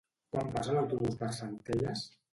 Quan passa l'autobús per Centelles?